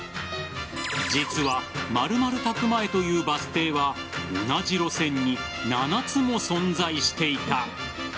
実は○○宅前というバス停は同じ路線に７つも存在していた。